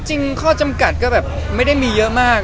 จริงข้อจำกัดก็แบบไม่ได้มีเยอะมาก